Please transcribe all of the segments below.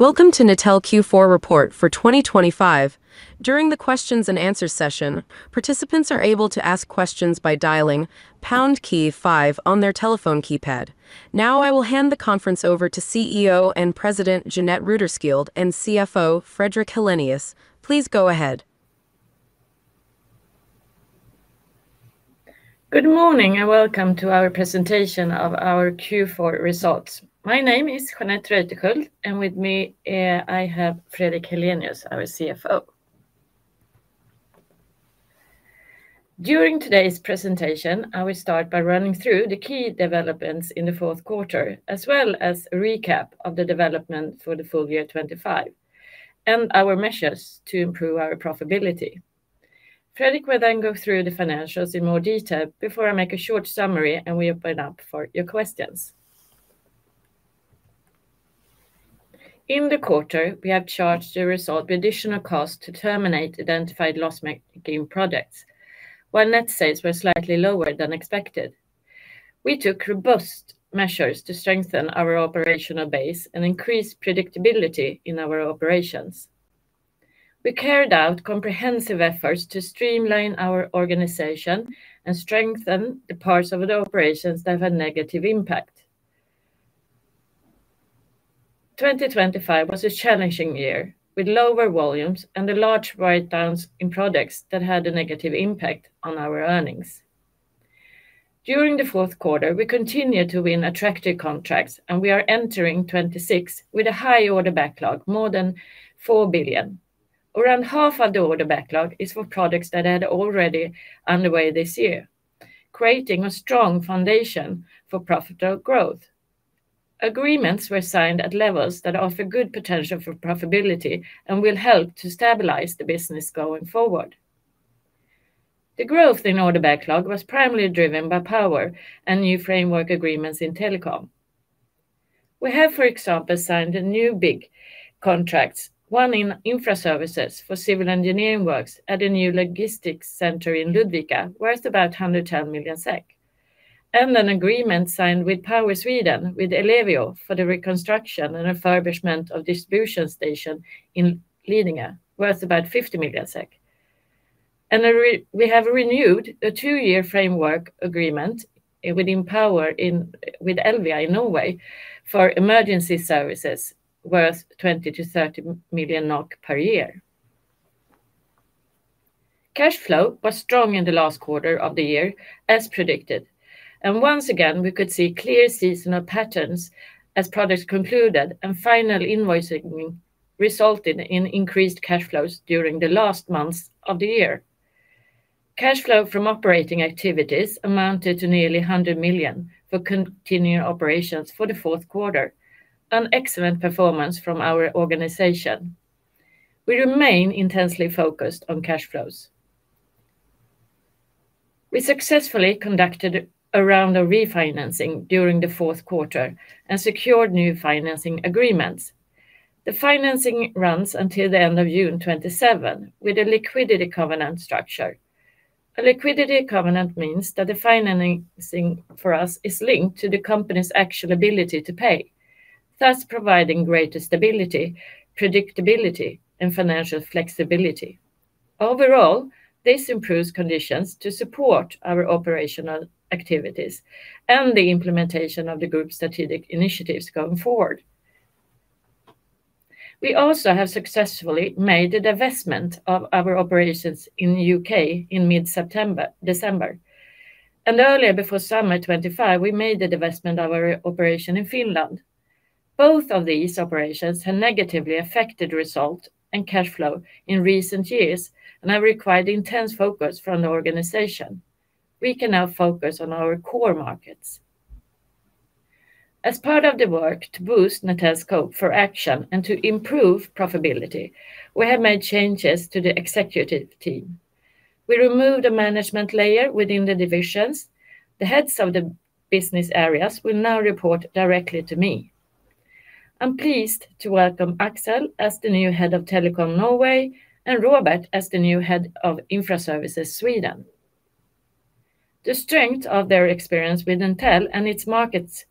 Welcome to Netel Q4 report for 2025. During the questions and answer session, participants are able to ask questions by dialing pound key five on their telephone keypad. Now, I will hand the conference over to CEO and President, Jeanette Reuterskiöld, and CFO, Fredrik Helenius. Please go ahead. Good morning, and welcome to our presentation of our Q4 results. My name is Jeanette Reuterskiöld, and with me, I have Fredrik Helenius, our CFO. During today's presentation, I will start by running through the key developments in the fourth quarter, as well as a recap of the development for the full year 2025, and our measures to improve our profitability. Fredrik will then go through the financials in more detail before I make a short summary, and we open up for your questions. In the quarter, we have charged the result with additional cost to terminate identified loss-making projects. While net sales were slightly lower than expected, we took robust measures to strengthen our operational base and increase predictability in our operations. We carried out comprehensive efforts to streamline our organization and strengthen the parts of the operations that had negative impact. 2025 was a challenging year, with lower volumes and the large writedowns in products that had a negative impact on our earnings. During the fourth quarter, we continued to win attractive contracts, and we are entering 2026 with a high order backlog, more than 4 billion. Around half of the order backlog is for products that are already underway this year, creating a strong foundation for profitable growth. Agreements were signed at levels that offer good potential for profitability and will help to stabilize the business going forward. The growth in order backlog was primarily driven by power and new framework agreements in telecom. We have, for example, signed a new big contracts, one in Infraservices for civil engineering works at a new logistics center in Ludvika, worth about 110 million SEK, and an agreement signed with Power Sweden, with Ellevio for the reconstruction and refurbishment of distribution station in Lidingö, worth about 50 million SEK. And we have renewed a two-year framework agreement within Power with Elvia in Norway for emergency services worth 20 million-30 million NOK per year. Cash flow was strong in the last quarter of the year, as predicted, and once again, we could see clear seasonal patterns as products concluded and final invoicing resulted in increased cash flows during the last months of the year. Cash flow from operating activities amounted to nearly 100 million for continuing operations for the fourth quarter, an excellent performance from our organization. We remain intensely focused on cash flows. We successfully conducted a round of refinancing during the fourth quarter and secured new financing agreements. The financing runs until the end of June 2027 with a liquidity covenant structure. A liquidity covenant means that the financing for us is linked to the company's actual ability to pay, thus providing greater stability, predictability, and financial flexibility. Overall, this improves conditions to support our operational activities and the implementation of the group's strategic initiatives going forward. We also have successfully made a divestment of our operations in UK in mid-September to December, and earlier, before summer 2025, we made a divestment of our operation in Finland. Both of these operations have negatively affected result and cash flow in recent years and have required intense focus from the organization. We can now focus on our core markets. As part of the work to boost Netel's scope for action and to improve profitability, we have made changes to the executive team. We removed a management layer within the divisions. The heads of the business areas will now report directly to me. I'm pleased to welcome Aksel as the new head of Telecom Norway, and Robert as the new head of Infraservices Sweden. The strength of their experience with Netel and its markets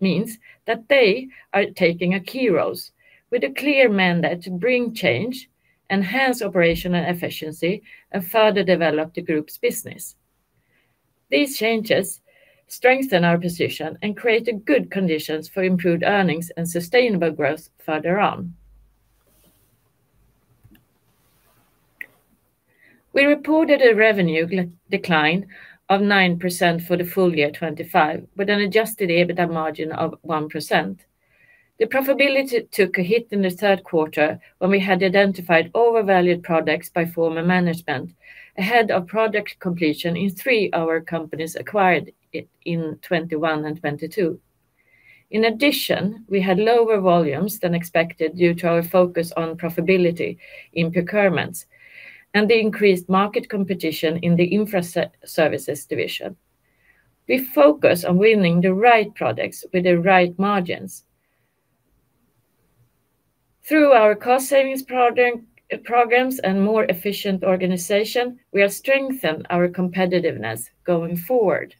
means that they are taking a key roles with a clear mandate to bring change, enhance operational efficiency, and further develop the group's business. These changes strengthen our position and create a good conditions for improved earnings and sustainable growth further on. We reported a revenue decline of 9% for the full year 2025, with an adjusted EBITDA margin of 1%. The profitability took a hit in the third quarter when we had identified overvalued products by former management ahead of product completion in three of our companies acquired in 2021 and 2022. In addition, we had lower volumes than expected due to our focus on profitability in procurements and the increased market competition in the Infraservices division. We focus on winning the right products with the right margins. Through our cost savings programs and more efficient organization, we have strengthened our competitiveness going forward...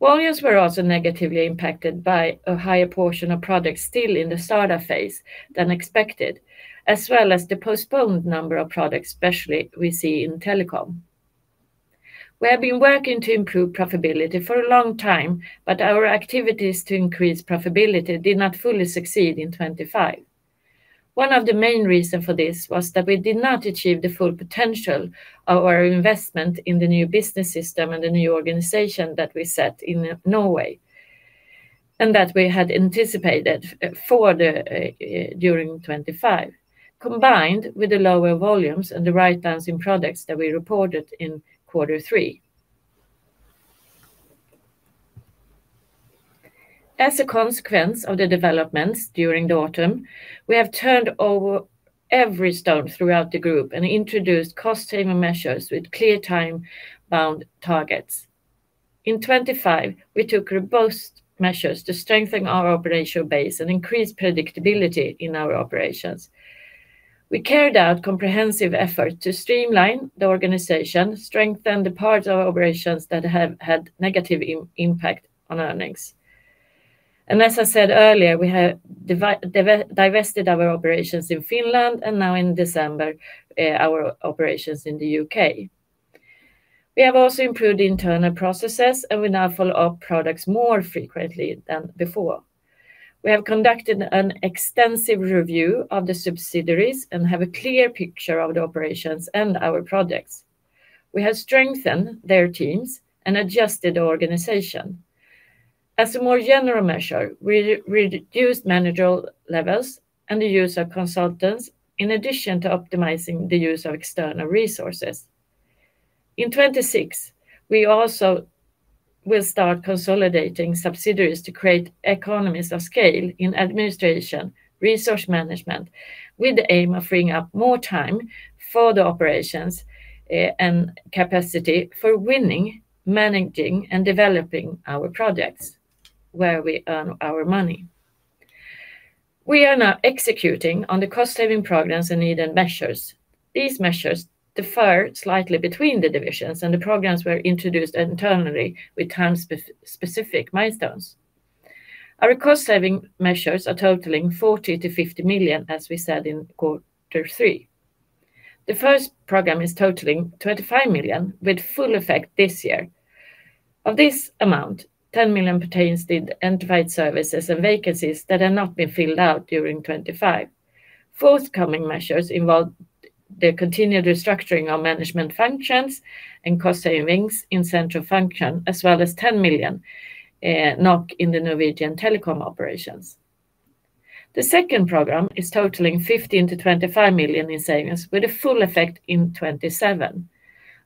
Volumes were also negatively impacted by a higher portion of products still in the startup phase than expected, as well as the postponed number of products, especially we see in Telecom. We have been working to improve profitability for a long time, but our activities to increase profitability did not fully succeed in 2025. One of the main reason for this was that we did not achieve the full potential of our investment in the new business system and the new organization that we set in Norway, and that we had anticipated, for the, during 2025, combined with the lower volumes and the write-downs in products that we reported in quarter three. As a consequence of the developments during the autumn, we have turned over every stone throughout the group and introduced cost-saving measures with clear time-bound targets. In 2025, we took robust measures to strengthen our operational base and increase predictability in our operations. We carried out comprehensive effort to streamline the organization, strengthen the parts of our operations that have had negative impact on earnings. And as I said earlier, we have divested our operations in Finland, and now in December, our operations in the UK. We have also improved internal processes, and we now follow up products more frequently than before. We have conducted an extensive review of the subsidiaries and have a clear picture of the operations and our projects. We have strengthened their teams and adjusted the organization. As a more general measure, we reduced managerial levels and the use of consultants, in addition to optimizing the use of external resources. In 2026, we also will start consolidating subsidiaries to create economies of scale in administration, resource management, with the aim of freeing up more time for the operations, and capacity for winning, managing, and developing our projects, where we earn our money. We are now executing on the cost-saving programs and needed measures. These measures differ slightly between the divisions, and the programs were introduced internally with time-specific milestones. Our cost-saving measures are totaling 40-50 million, as we said in quarter three. The first program is totaling 25 million, with full effect this year. Of this amount, 10 million pertains to the identified services and vacancies that have not been filled out during 2025. Forthcoming measures involve the continued restructuring of management functions and cost savings in central function, as well as 10 million NOK in the Norwegian telecom operations. The second program is totaling 15-25 million in savings, with a full effect in 2027.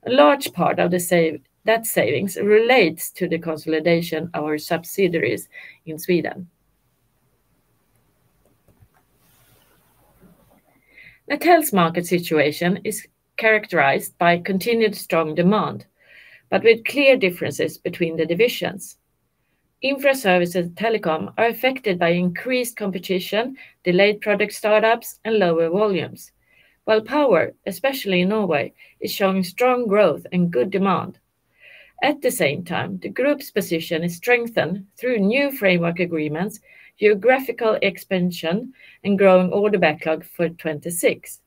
A large part of that savings relates to the consolidation of our subsidiaries in Sweden. Netel's market situation is characterized by continued strong demand, but with clear differences between the divisions. Infraservices and Telecom are affected by increased competition, delayed product startups, and lower volumes, while Power, especially in Norway, is showing strong growth and good demand. At the same time, the group's position is strengthened through new framework agreements, geographical expansion, and growing order backlog for 2026.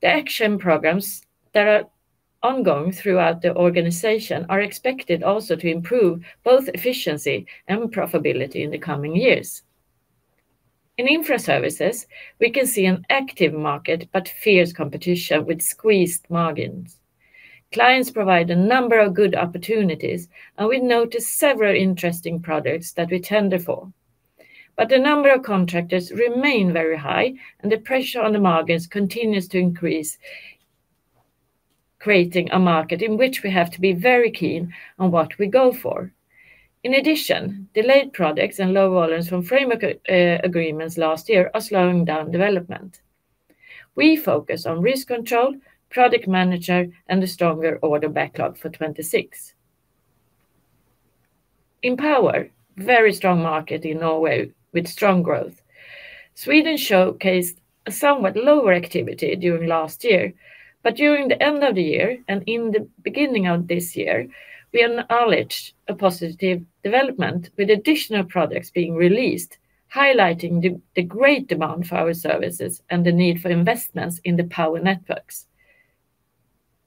The action programs that are ongoing throughout the organization are expected also to improve both efficiency and profitability in the coming years. In Infraservices, we can see an active market, but fierce competition with squeezed margins. Clients provide a number of good opportunities, and we notice several interesting products that we tender for. But the number of contractors remain very high, and the pressure on the margins continues to increase, creating a market in which we have to be very keen on what we go for. In addition, delayed products and low volumes from framework agreements last year are slowing down development. We focus on risk control, product manager, and a stronger order backlog for 2026. In power, very strong market in Norway with strong growth. Sweden showcased a somewhat lower activity during last year, but during the end of the year and in the beginning of this year, we acknowledged a positive development with additional products being released, highlighting the great demand for our services and the need for investments in the power networks.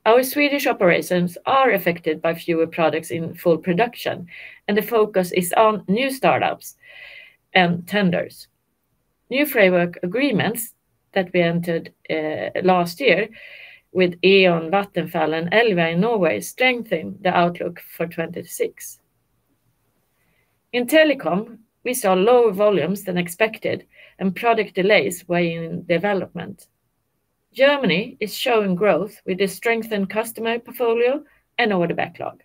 Our Swedish operations are affected by fewer products in full production, and the focus is on new startups and tenders. New framework agreements that we entered last year with E.ON, Vattenfall, and Elvia in Norway strengthen the outlook for 2026. In telecom, we saw lower volumes than expected and product delays weighing in development. Germany is showing growth with a strengthened customer portfolio and order backlog.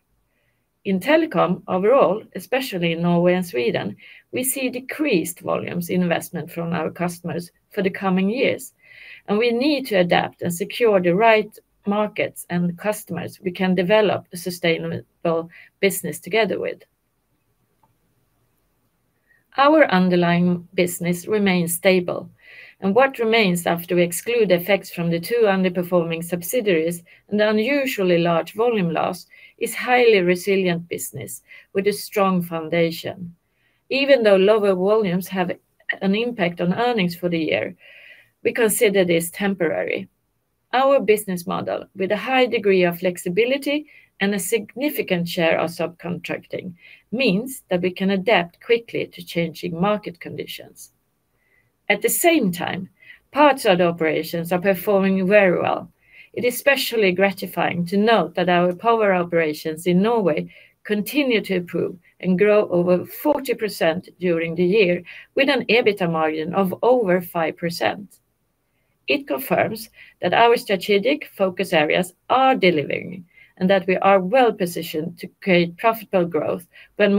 In telecom overall, especially in Norway and Sweden, we see decreased volumes in investment from our customers for the coming years, and we need to adapt and secure the right markets and customers we can develop a sustainable business together with.... Our underlying business remains stable, and what remains after we exclude the effects from the two underperforming subsidiaries and the unusually large volume loss, is highly resilient business with a strong foundation. Even though lower volumes have an impact on earnings for the year, we consider this temporary. Our business model, with a high degree of flexibility and a significant share of subcontracting, means that we can adapt quickly to changing market conditions. At the same time, parts of the operations are performing very well. It is especially gratifying to note that our power operations in Norway continue to improve and grow over 40% during the year, with an EBITDA margin of over 5%. It confirms that our strategic focus areas are delivering, and that we are well positioned to create profitable growth when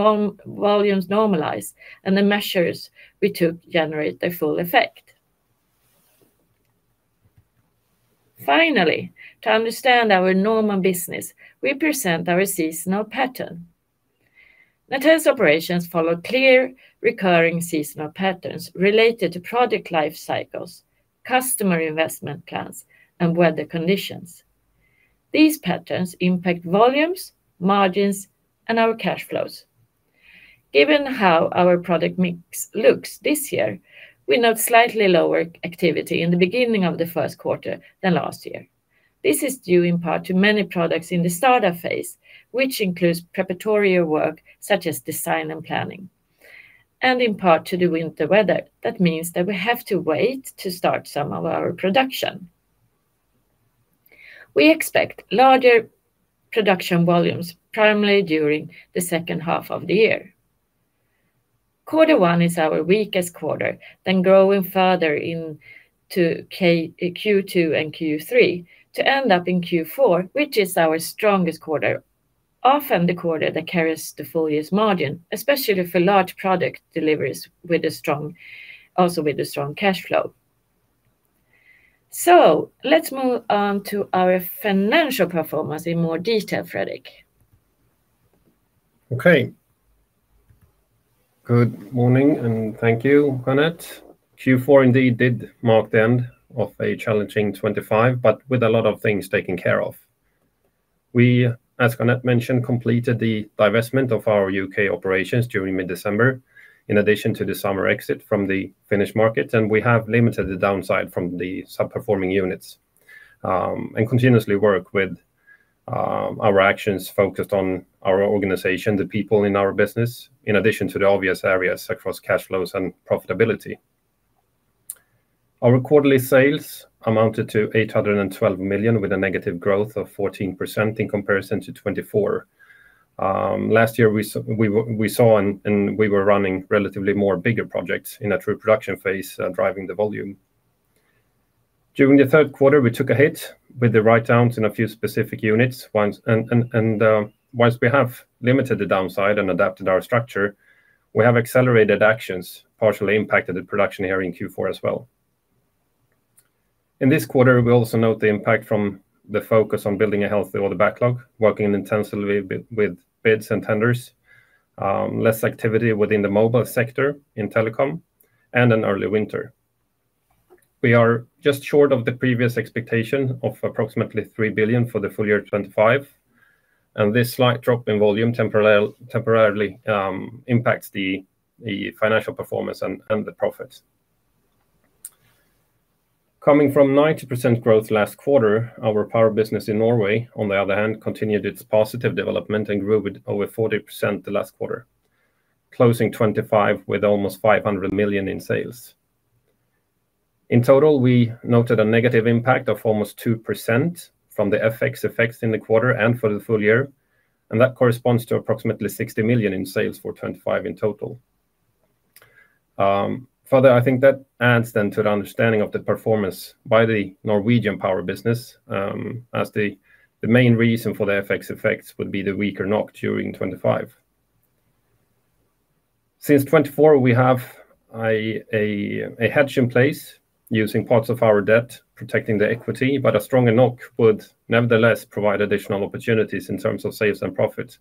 volumes normalize, and the measures we took generate their full effect. Finally, to understand our normal business, we present our seasonal pattern. Netel's operations follow clear, recurring seasonal patterns related to product life cycles, customer investment plans, and weather conditions. These patterns impact volumes, margins, and our cash flows. Given how our product mix looks this year, we note slightly lower activity in the beginning of the first quarter than last year. This is due in part to many products in the startup phase, which includes preparatory work such as design and planning, and in part to the winter weather. That means that we have to wait to start some of our production. We expect larger production volumes, primarily during the second half of the year. Quarter one is our weakest quarter, then growing further into Q2 and Q3, to end up in Q4, which is our strongest quarter, often the quarter that carries the full year's margin, especially for large product deliveries with a strong, also with a strong cash flow. So let's move on to our financial performance in more detail, Fredrik. Okay. Good morning, and thank you, Jeanette. Q4 indeed did mark the end of a challenging 25, but with a lot of things taken care of. We, as Jeanette mentioned, completed the divestment of our UK operations during mid-December, in addition to the summer exit from the Finnish market, and we have limited the downside from the sub-performing units, and continuously work with our actions focused on our organization, the people in our business, in addition to the obvious areas across cash flows and profitability. Our quarterly sales amounted to 812 million, with a negative growth of 14% in comparison to 24. Last year, we saw and we were running relatively more bigger projects in a true production phase, driving the volume. During the third quarter, we took a hit with the write-downs in a few specific units once we have limited the downside and adapted our structure, we have accelerated actions, partially impacted the production here in Q4 as well. In this quarter, we also note the impact from the focus on building a healthy order backlog, working intensively with bids and tenders, less activity within the mobile sector in telecom, and an early winter. We are just short of the previous expectation of approximately 3 billion for the full year 2025, and this slight drop in volume temporarily impacts the financial performance and the profits. Coming from 90% growth last quarter, our power business in Norway, on the other hand, continued its positive development and grew with over 40% the last quarter, closing 2025 with almost 500 million in sales. In total, we noted a negative impact of almost 2% from the FX effects in the quarter and for the full year, and that corresponds to approximately 60 million in sales for 2025 in total. Further, I think that adds then to the understanding of the performance by the Norwegian power business, as the main reason for the FX effects would be the weaker NOK during 2025. Since 2024, we have a hedge in place using parts of our debt, protecting the equity, but a stronger NOK would nevertheless provide additional opportunities in terms of sales and profits.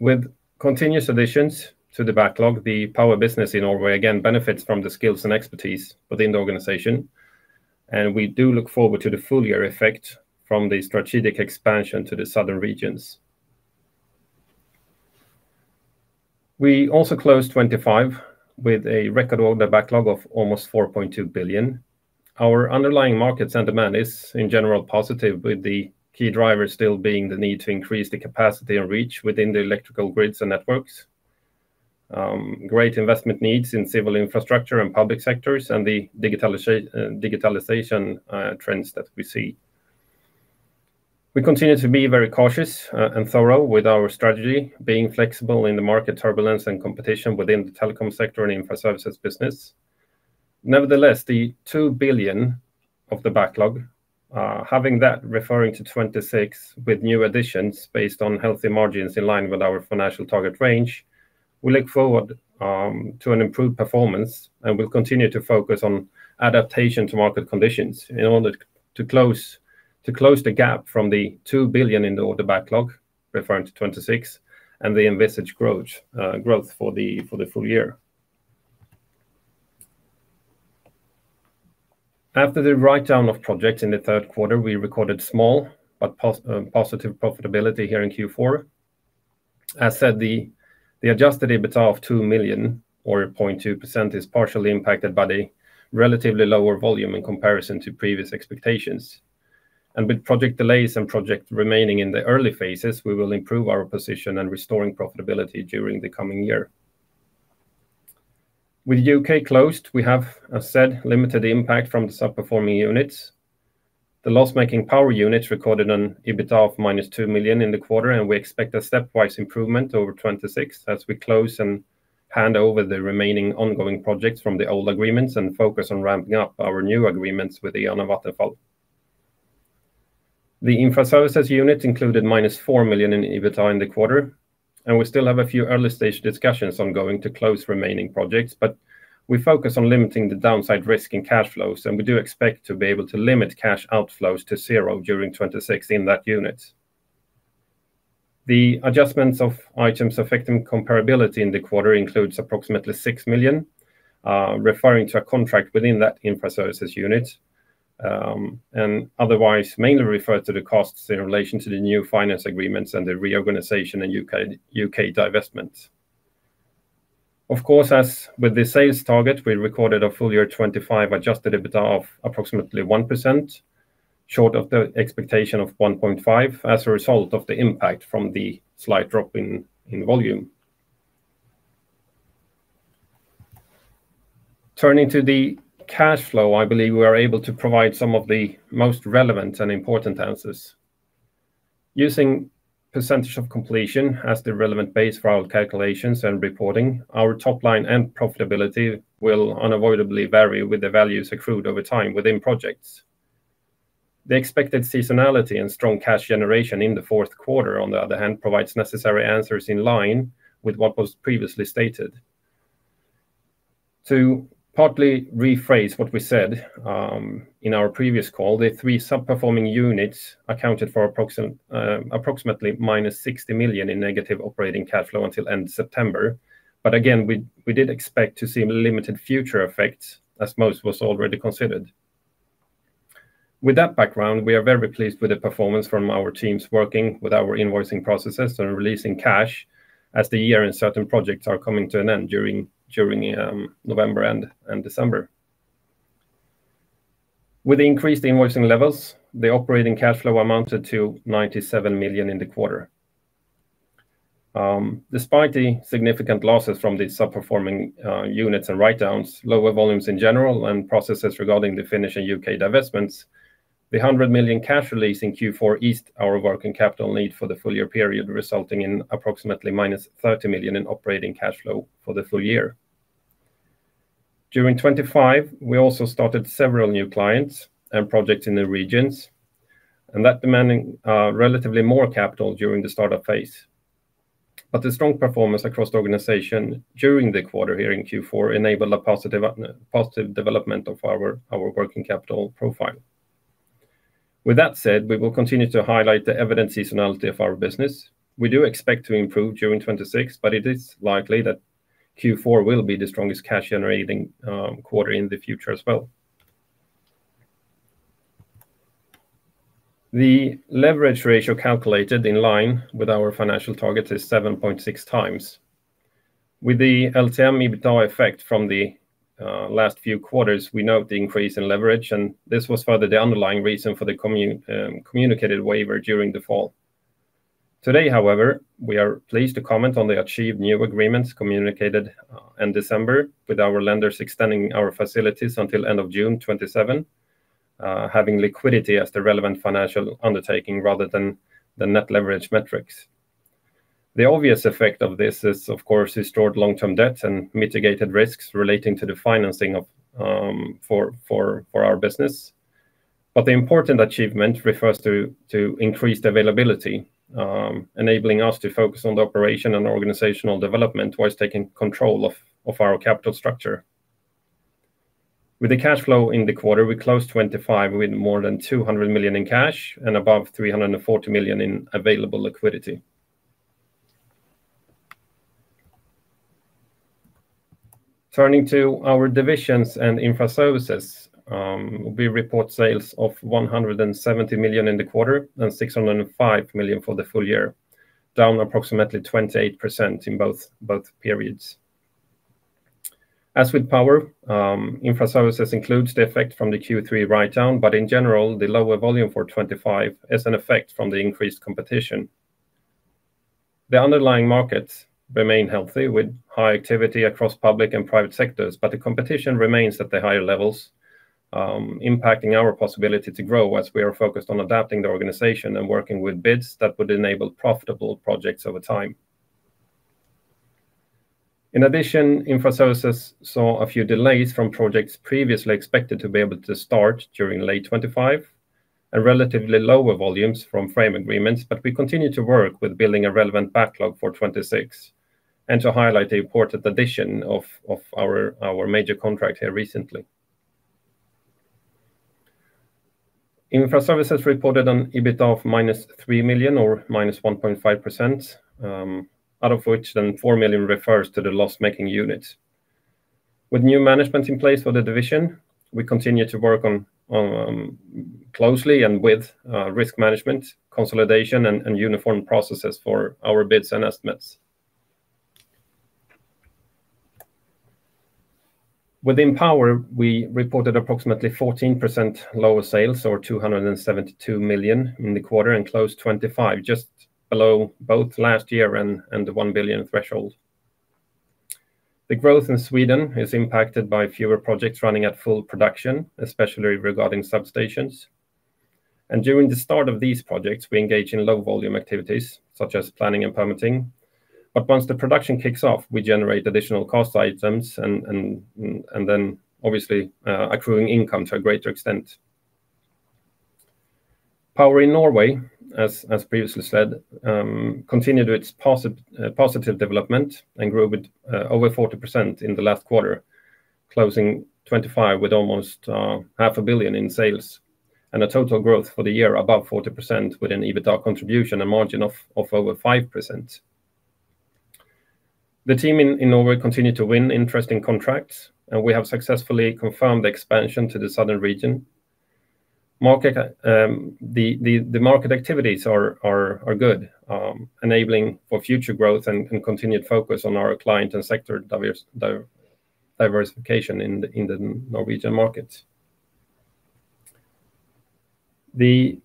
With continuous additions to the backlog, the power business in Norway, again, benefits from the skills and expertise within the organization, and we do look forward to the full year effect from the strategic expansion to the southern regions. We also closed 2025 with a record order backlog of almost 4.2 billion. Our underlying markets and demand is, in general, positive, with the key driver still being the need to increase the capacity and reach within the electrical grids and networks, great investment needs in civil infrastructure and public sectors, and the digitalization trends that we see. We continue to be very cautious, and thorough with our strategy, being flexible in the market turbulence and competition within the telecom sector and Infraservices business. Nevertheless, the 2 billion of the backlog, having that referring to 2026 with new additions based on healthy margins in line with our financial target range, we look forward to an improved performance and will continue to focus on adaptation to market conditions in order to close the gap from the 2 billion in the order backlog, referring to 2026, and the envisaged growth for the full year. After the write-down of projects in the third quarter, we recorded small but positive profitability here in Q4. As said, the adjusted EBITDA of 2 million or 0.2% is partially impacted by the relatively lower volume in comparison to previous expectations. And with project delays and project remaining in the early phases, we will improve our position and restoring profitability during the coming year. With UK closed, we have, as said, limited impact from the sub-performing units. The loss-making power units recorded an EBITDA of -2 million in the quarter, and we expect a stepwise improvement over 2026 as we close and hand over the remaining ongoing projects from the old agreements and focus on ramping up our new agreements with E.ON and Vattenfall. The Infraservices unit included -4 million in EBITDA in the quarter, and we still have a few early-stage discussions ongoing to close remaining projects, but we focus on limiting the downside risk in cash flows, and we do expect to be able to limit cash outflows to zero during 2026 in that unit. The adjustments of items affecting comparability in the quarter includes approximately 6 million, referring to a contract within that Infraservices unit, and otherwise mainly refer to the costs in relation to the new finance agreements and the reorganization and U.K. divestment. Of course, as with the sales target, we recorded a full year 2025 adjusted EBITDA of approximately 1% short of the expectation of 1.5, as a result of the impact from the slight drop in volume. Turning to the cash flow, I believe we are able to provide some of the most relevant and important answers. Using percentage of completion as the relevant base for our calculations and reporting, our top line and profitability will unavoidably vary with the values accrued over time within projects. The expected seasonality and strong cash generation in the fourth quarter, on the other hand, provides necessary answers in line with what was previously stated. To partly rephrase what we said in our previous call, the three sub-performing units accounted for approximately -60 million in negative operating cash flow until end September. But again, we did expect to see limited future effects as most was already considered. With that background, we are very pleased with the performance from our teams working with our invoicing processes and releasing cash as the year and certain projects are coming to an end during November and December. With increased invoicing levels, the operating cash flow amounted to 97 million in the quarter. Despite the significant losses from the sub-performing units and write-downs, lower volumes in general and processes regarding the Finnish and UK divestments, the 100 million cash release in Q4 eased our working capital need for the full year period, resulting in approximately -30 million in operating cash flow for the full year. During 2025, we also started several new clients and projects in the regions, and that demanding relatively more capital during the start-up phase. But the strong performance across the organization during the quarter here in Q4 enabled a positive development of our working capital profile. With that said, we will continue to highlight the evident seasonality of our business. We do expect to improve during 2026, but it is likely that Q4 will be the strongest cash-generating quarter in the future as well. The leverage ratio calculated in line with our financial target is 7.6x. With the LTM EBITDA effect from the last few quarters, we note the increase in leverage, and this was further the underlying reason for the communicated waiver during the fall. Today, however, we are pleased to comment on the achieved new agreements communicated in December with our lenders extending our facilities until end of June 2027, having liquidity as the relevant financial undertaking rather than the net leverage metrics. The obvious effect of this is, of course, secured long-term debt and mitigated risks relating to the financing of for our business. But the important achievement refers to increased availability, enabling us to focus on the operation and organizational development whilst taking control of our capital structure. With the cash flow in the quarter, we closed 2025 with more than 200 million in cash and above 340 million in available liquidity. Turning to our divisions and Infraservices, we report sales of 170 million in the quarter and 605 million for the full year, down approximately 28% in both periods. As with power, Infraservices includes the effect from the Q3 write-down, but in general, the lower volume for 2025 is an effect from the increased competition. The underlying markets remain healthy, with high activity across public and private sectors, but the competition remains at the higher levels, impacting our possibility to grow as we are focused on adapting the organization and working with bids that would enable profitable projects over time. In addition, Infraservices saw a few delays from projects previously expected to be able to start during late 2025 and relatively lower volumes from frame agreements, but we continue to work with building a relevant backlog for 2026 and to highlight the important addition of our major contract here recently. Infraservices reported an EBITDA of -3 million or -1.5%, out of which then 4 million refers to the loss-making unit. With new management in place for the division, we continue to work on closely and with risk management, consolidation, and uniform processes for our bids and estimates. Within Power, we reported approximately 14% lower sales, or 272 million in the quarter, and closed 2025, just below both last year and the 1 billion threshold. The growth in Sweden is impacted by fewer projects running at full production, especially regarding substations. During the start of these projects, we engage in low-volume activities, such as planning and permitting. But once the production kicks off, we generate additional cost items and then obviously accruing income to a greater extent. Power in Norway, as previously said, continued its positive development and grew with over 40% in the last quarter, closing 2025 with almost 500 million in sales, and a total growth for the year above 40% with an EBITDA contribution and margin of over 5%. The team in Norway continued to win interesting contracts, and we have successfully confirmed the expansion to the southern region. The market activities are good, enabling for future growth and continued focus on our client and sector diversification in the Norwegian market. The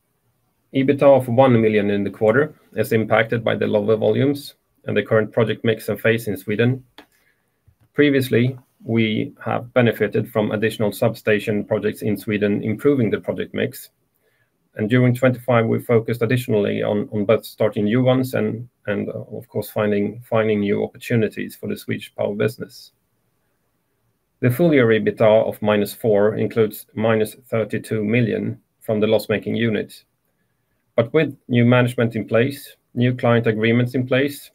EBITDA of 1 million in the quarter is impacted by the lower volumes and the current project mix and phase in Sweden. Previously, we have benefited from additional substation projects in Sweden, improving the project mix. During 2025, we focused additionally on both starting new ones and of course, finding new opportunities for the Swedish Power business. The full-year EBITDA of -4 million includes -32 million from the loss-making unit. But with new management in place, new client agreements in place,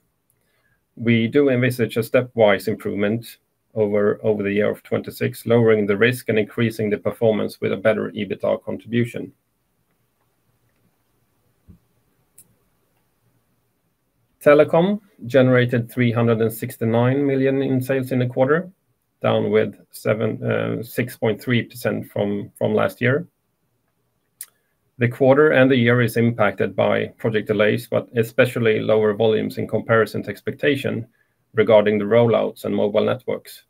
we do envisage a stepwise improvement over the year of 2026, lowering the risk and increasing the performance with a better EBITDA contribution. Telecom generated 369 million in sales in the quarter, down 6.3% from last year. The quarter and the year is impacted by project delays, but especially lower volumes in comparison to expectation regarding the rollouts and mobile networks.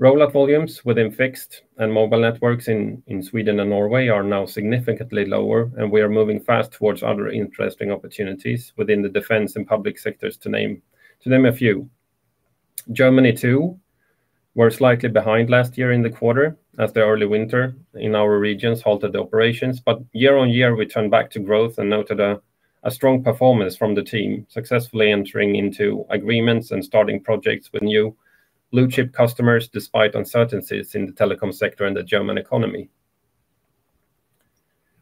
Rollout volumes within fixed and mobile networks in Sweden and Norway are now significantly lower, and we are moving fast towards other interesting opportunities within the defense and public sectors, to name a few. Germany, too, were slightly behind last year in the quarter, as the early winter in our regions halted the operations. But year-on-year, we turned back to growth and noted a strong performance from the team, successfully entering into agreements and starting projects with new blue-chip customers, despite uncertainties in the telecom sector and the German economy.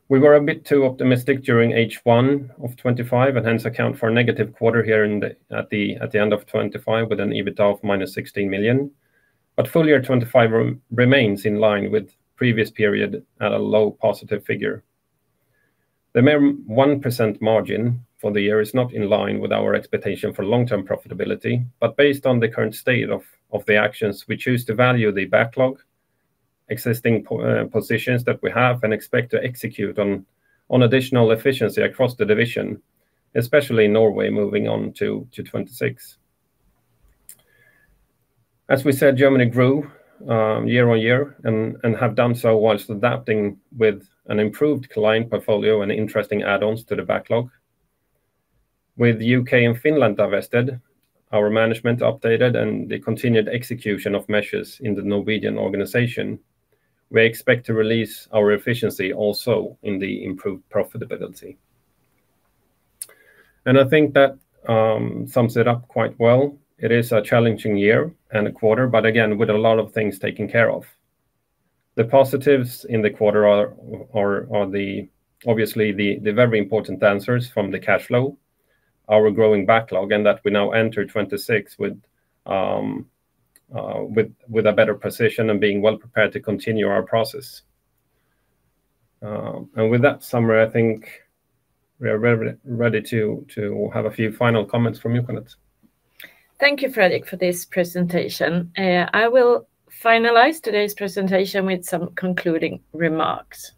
We were a bit too optimistic during H1 of 2025, and hence account for a negative quarter here in the end of 2025, with an EBITDA of -16 million. But full year 2025 remains in line with previous period at a low positive figure. The mere 1% margin for the year is not in line with our expectation for long-term profitability, but based on the current state of the actions, we choose to value the backlog, existing positions that we have, and expect to execute on additional efficiency across the division, especially in Norway, moving on to 2026. As we said, Germany grew year on year and have done so whilst adapting with an improved client portfolio and interesting add-ons to the backlog. With UK and Finland divested, our management updated, and the continued execution of measures in the Norwegian organization, we expect to release our efficiency also in the improved profitability. I think that sums it up quite well. It is a challenging year and a quarter, but again, with a lot of things taken care of. The positives in the quarter are obviously the very important answers from the cash flow, our growing backlog, and that we now enter 2026 with a better position and being well prepared to continue our process. With that summary, I think we are ready to have a few final comments from you, Jeanette. Thank you, Fredrik, for this presentation. I will finalize today's presentation with some concluding remarks.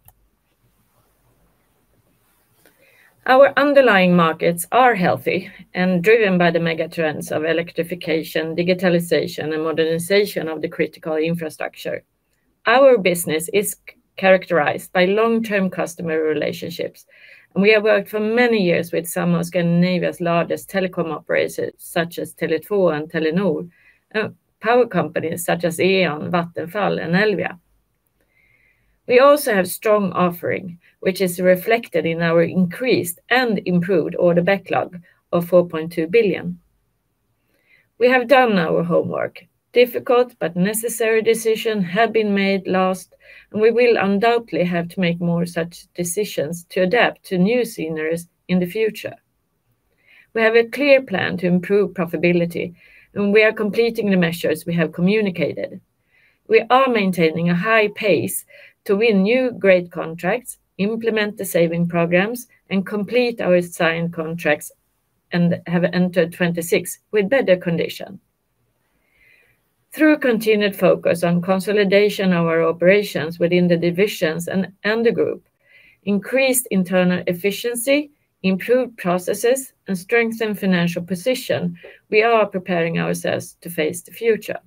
Our underlying markets are healthy and driven by the mega trends of electrification, digitalization, and modernization of the critical infrastructure. Our business is characterized by long-term customer relationships, and we have worked for many years with some of Scandinavia's largest telecom operators, such as Tele2 and Telenor, and power companies such as E.ON, Vattenfall, and Elvia. We also have strong offering, which is reflected in our increased and improved order backlog of 4.2 billion. We have done our homework. Difficult but necessary decisions have been made last, and we will undoubtedly have to make more such decisions to adapt to new scenarios in the future... We have a clear plan to improve profitability, and we are completing the measures we have communicated. We are maintaining a high pace to win new great contracts, implement the saving programs, and complete our assigned contracts, and have entered 26 with better condition. Through a continued focus on consolidation of our operations within the divisions and the group, increased internal efficiency, improved processes, and strengthen financial position, we are preparing ourselves to face the future.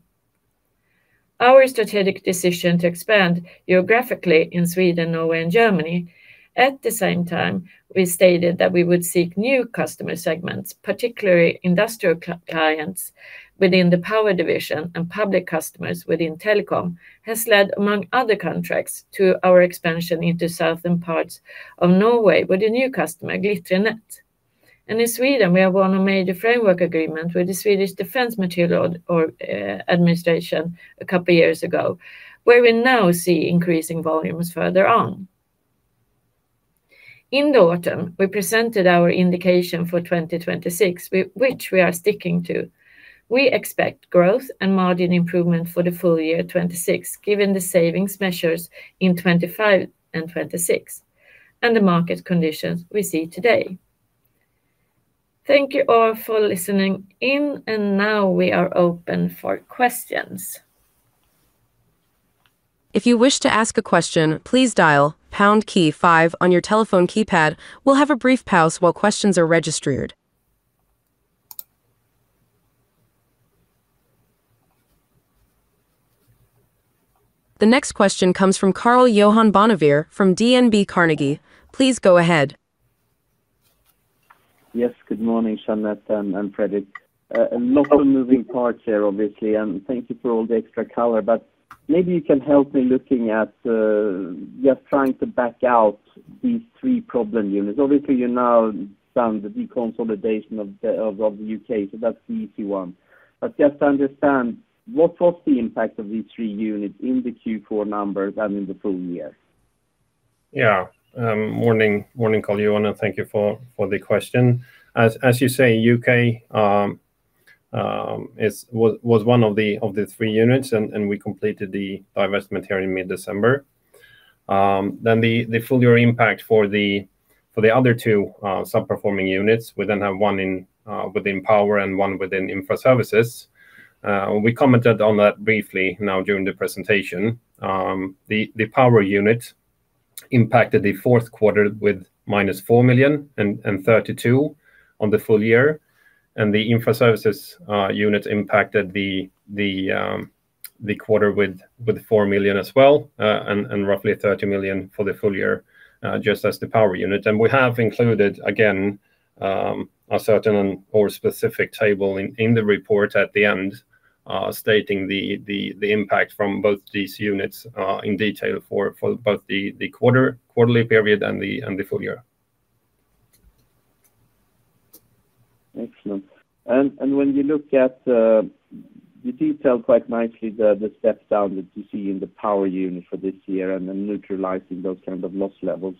Our strategic decision to expand geographically in Sweden, Norway, and Germany, at the same time, we stated that we would seek new customer segments, particularly industrial clients within the power division and public customers within telecom, has led, among other contracts, to our expansion into southern parts of Norway with a new customer, Glitre Nett. And in Sweden, we have won a major framework agreement with the Swedish Defense Materiel Administration a couple of years ago, where we now see increasing volumes further on. In the autumn, we presented our indication for 2026, which we are sticking to. We expect growth and margin improvement for the full year 2026, given the savings measures in 2025 and 2026, and the market conditions we see today. Thank you all for listening in, and now we are open for questions. If you wish to ask a question, please dial pound key five on your telephone keypad. We'll have a brief pause while questions are registered. The next question comes from Carl Johan Bonnevier from DNB Carnegie. Please go ahead. Yes, good morning, Jeanette and Fredrik. A lot of moving parts here, obviously, and thank you for all the extra color. But maybe you can help me looking at just trying to back out these three problem units. Obviously, you now done the deconsolidation of the UK, so that's the easy one. But just to understand, what was the impact of these three units in the Q4 numbers and in the full year? Yeah. Morning, Carl Johan, thank you for the question. As you say, UK was one of the three units, and we completed the divestment here in mid-December. Then the full year impact for the other two subperforming units, we then have one in within Power and one within Infraservices. We commented on that briefly now during the presentation. The Power unit impacted the fourth quarter with -4 million and 32 on the full year, and the Infraservices unit impacted the quarter with 4 million as well, and roughly 30 million for the full year, just as the Power unit. We have included, again, a certain or specific table in the report at the end, stating the impact from both these units, in detail for both the quarterly period and the full year. Excellent. And when you look at, you detailed quite nicely the step down that you see in the power unit for this year, and then neutralizing those kind of loss levels.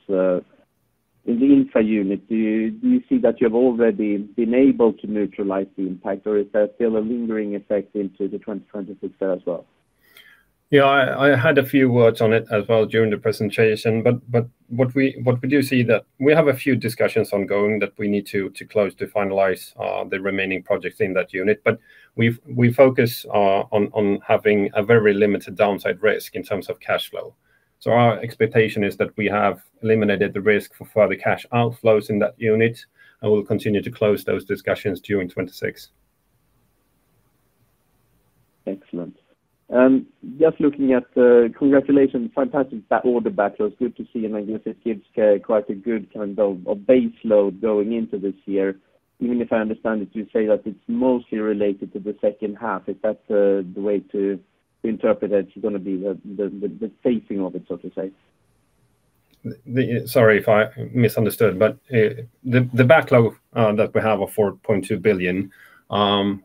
In the infra unit, do you see that you have already been able to neutralize the impact, or is there still a lingering effect into 2026 as well? Yeah, I had a few words on it as well during the presentation, but what we do see that we have a few discussions ongoing that we need to close to finalize the remaining projects in that unit. But we focus on having a very limited downside risk in terms of cash flow. So our expectation is that we have eliminated the risk for further cash outflows in that unit, and we'll continue to close those discussions during 2026. Excellent. Just looking at the... Congratulations, fantastic order backlogs. Good to see, and I guess it gives quite a good kind of base load going into this year. Even if I understand it, you say that it's mostly related to the second half. Is that the way to interpret it? It's gonna be the phasing of it, so to say. Sorry if I misunderstood, but the backlog that we have of 4.2 billion,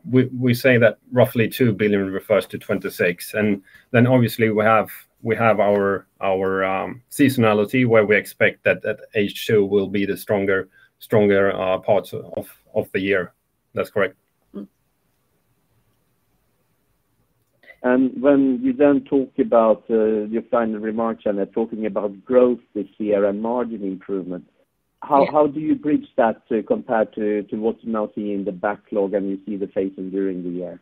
we say that roughly 2 billion refers to 2026. And then obviously, we have our seasonality, where we expect that H2 will be the stronger parts of the year. That's correct. Mm. And when you then talk about your final remarks, and talking about growth this year and margin improvement- Yeah. How, how do you bridge that, compared to what you now see in the backlog, and you see the phasing during the year?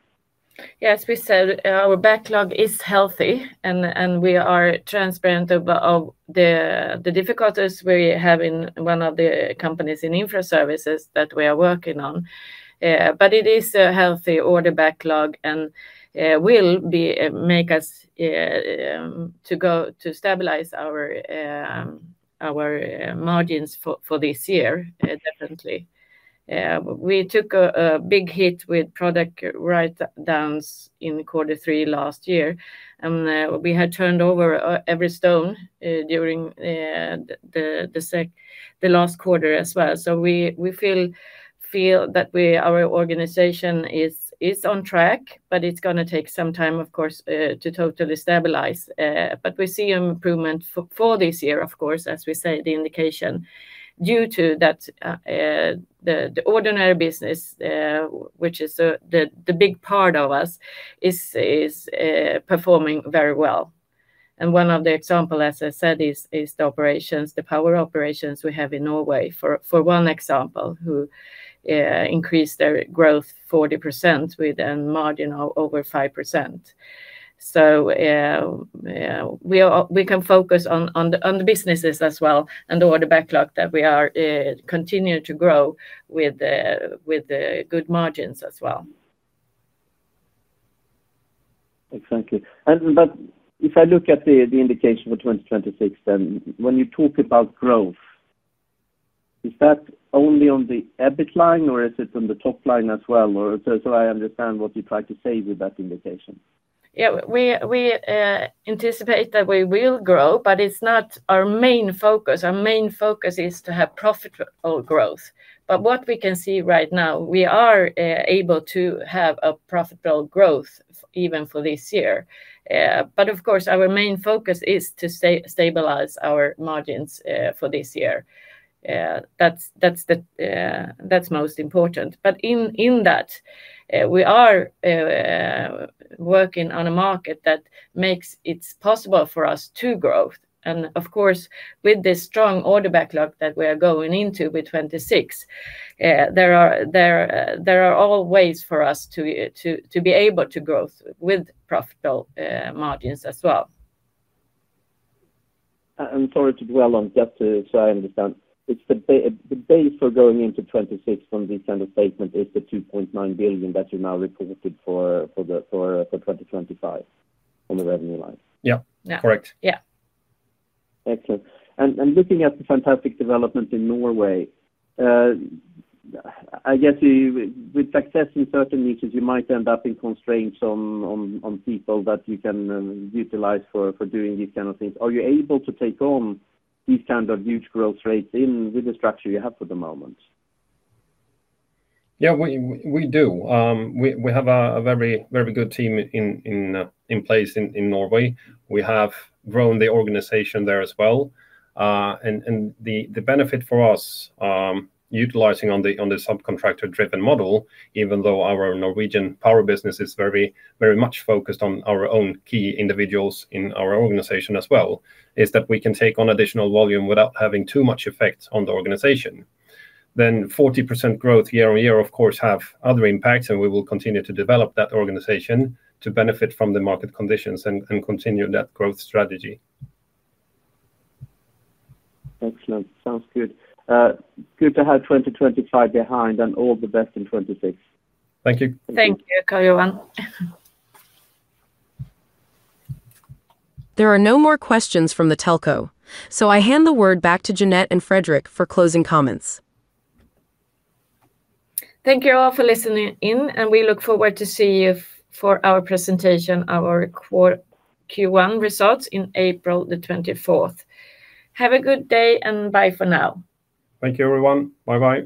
Yeah, as we said, our backlog is healthy, and we are transparent of the difficulties we have in one of the companies in Infraservices that we are working on. But it is a healthy order backlog and will make us to go to stabilize our margins for this year, definitely. We took a big hit with product write-downs in quarter three last year, and we had turned over every stone during the last quarter as well. So we feel that our organization is on track, but it's gonna take some time, of course, to totally stabilize. But we see improvement for this year, of course, as we say, the indication due to that, the ordinary business, which is the big part of us, is performing very well. And one of the example, as I said, is the operations, the power operations we have in Norway, for one example, who increased their growth 40% with a margin of over 5%. So, we can focus on the businesses as well, and the order backlog that we are continuing to grow with the good margins as well. Thank you. But if I look at the indication for 2026, then when you talk about growth, is that only on the EBIT line, or is it on the top line as well? Or so, I understand what you try to say with that indication. Yeah, we anticipate that we will grow, but it's not our main focus. Our main focus is to have profitable growth. But what we can see right now, we are able to have a profitable growth even for this year. But of course, our main focus is to stabilize our margins for this year. That's the most important. But in that, we are working on a market that makes it possible for us to grow. And of course, with this strong order backlog that we are going into with 2026, there are always ways for us to be able to grow with profitable margins as well. I'm sorry to dwell on, just so I understand. It's the base for going into 2026 from this kind of statement is the 2.9 billion that you now reported for 2025 on the revenue line. Yeah. Yeah. Correct. Yeah. Excellent. Looking at the fantastic development in Norway, I guess you with success in certain niches, you might end up in constraints on people that you can utilize for doing these kind of things. Are you able to take on these kind of huge growth rates with the structure you have at the moment? Yeah, we do. We have a very good team in place in Norway. We have grown the organization there as well. And the benefit for us, utilizing on the subcontractor-driven model, even though our Norwegian Power business is very much focused on our own key individuals in our organization as well, is that we can take on additional volume without having too much effect on the organization. Then 40% growth year-on-year, of course, have other impacts, and we will continue to develop that organization to benefit from the market conditions and continue that growth strategy. Excellent. Sounds good. Good to have 2025 behind and all the best in 2026. Thank you. Thank you, Karl Johan. There are no more questions from the telco, so I hand the word back to Jeanette and Fredrik for closing comments. Thank you all for listening in, and we look forward to see you for our presentation, our quarter Q1 results in April the twenty-fourth. Have a good day, and bye for now. Thank you, everyone. Bye bye.